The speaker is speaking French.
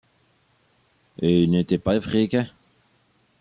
Et il n'était pas africain.